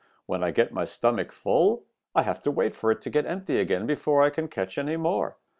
'When I get my stomach full, I have to wait for it to get empty again before I can catch any more.